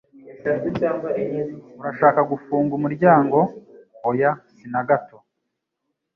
"Urashaka gufunga umuryango?" "Oya, si na gato."